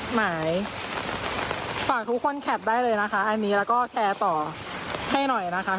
หมายฝากทุกคนแคปได้เลยนะคะอันนี้แล้วก็แชร์ต่อให้หน่อยนะคะ